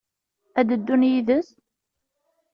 Ad d-ddun yid-s?